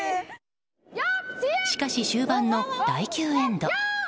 しかし、終盤の第９エンド。